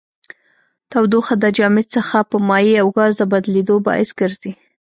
تودوخه د جامد څخه په مایع او ګاز د بدلیدو باعث ګرځي.